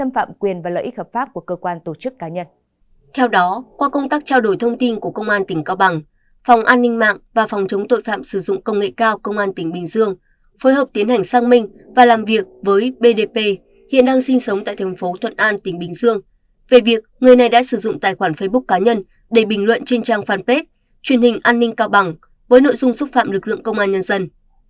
sau đó qua công tác trao đổi thông tin của công an tỉnh cao bằng phòng an ninh mạng và phòng chống tội phạm sử dụng công nghệ cao công an tỉnh bình dương phối hợp tiến hành sang minh và làm việc với bdp hiện đang sinh sống tại tp thuận an tỉnh bình dương về việc người này đã sử dụng tài khoản facebook cá nhân để bình luận trên trang fanpage truyền hình an ninh cao bằng với nội dung xúc phạm lực lượng công an nhân dân